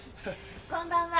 こんばんは。